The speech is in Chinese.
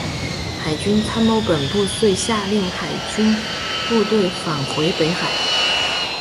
海军参谋本部遂下令海军部队返回北海。